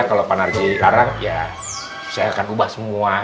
kalau pak narji larang saya akan ubah semua